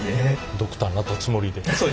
ドクターなったつもりで。